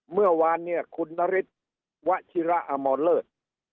เมื่อวานเนี่ยคุณนฤทธิ์วชิระอมรเลิศ